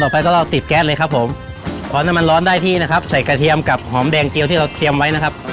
พอน้ำมันร้อนได้ที่นะครับใส่กระเทียมกับหอมแดงเจียวที่เราเตรียมไว้นะครับ